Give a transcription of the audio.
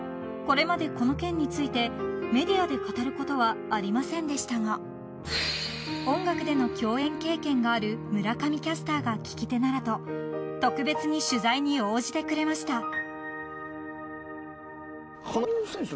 これまでこの件についてメディアで語ることはありませんでしたが音楽での共演経験がある村上キャスターが聞き手ならと特別に取材に応じてくれました］